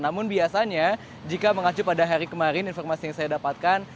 namun biasanya jika mengacu pada hari kemarin informasi yang saya dapatkan